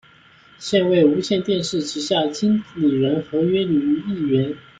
现为无线电视旗下经理人合约女艺员。